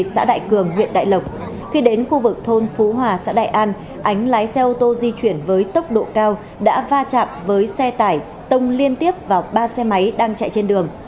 xã đại cường huyện đại lộc khi đến khu vực thôn phú hòa xã đại an ánh lái xe ô tô di chuyển với tốc độ cao đã va chạm với xe tải tông liên tiếp vào ba xe máy đang chạy trên đường